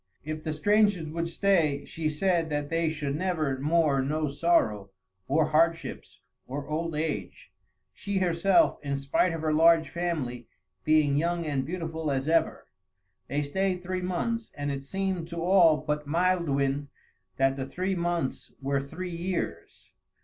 If the strangers would stay, she said that they should never more know sorrow, or hardships, or old age; she herself, in spite of her large family, being young and beautiful as ever. They stayed three months, and it seemed to all but Maelduin that the three months were three years.